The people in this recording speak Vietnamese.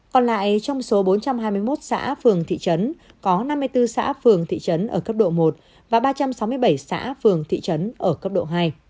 còn lại trong số bốn trăm hai mươi một xã phường thị trấn có năm mươi bốn xã phường thị trấn ở cấp độ một và ba trăm sáu mươi bảy xã phường thị trấn ở cấp độ hai